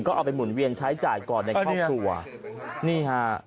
ก็เอาไปหมุนเวียนใช้จ่ายก่อนในครอบครัวนี่ฮะ